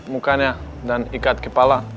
mukanya dan ikat kepala